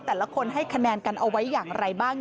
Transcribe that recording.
แต่ละคนให้คะแนนกันเอาไว้อย่างไรบ้าง